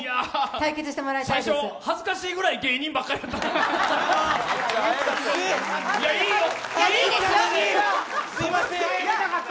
最初、恥ずかしいぐらい芸人ばっかりだった。